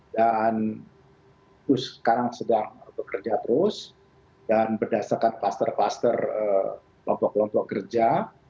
dan ibu sekarang sedang bekerja terus dan berdasarkan kluster kluster kelompok kelompok kerja